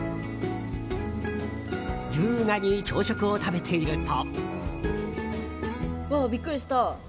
優雅に朝食を食べていると。